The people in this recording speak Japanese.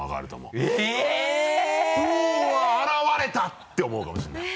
うわ現れた！って思うかもしれない。